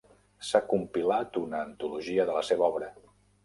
S'ha compilat una antologia de la seva obra.